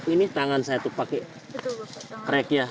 ini tangan saya itu pakai krek ya